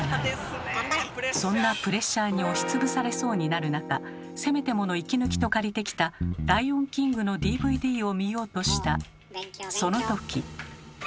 そんなプレッシャーに押し潰されそうになる中せめてもの息抜きと借りてきた「ライオン・キング」のＤＶＤを見ようとしたその時。